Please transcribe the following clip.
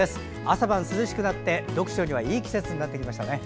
朝晩、涼しくなって読書にはいい季節になってきましたね。